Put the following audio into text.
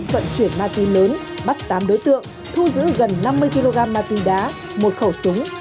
vận chuyển ma túy lớn bắt tám đối tượng thu giữ gần năm mươi kg ma túy đá một khẩu súng